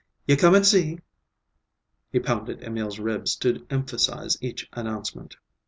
You come an' see!" He pounded Emil's ribs to emphasize each announcement.